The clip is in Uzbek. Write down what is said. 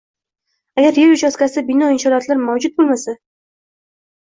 Agar yer uchastkasida bino inshootlar mavjud boʼlmasa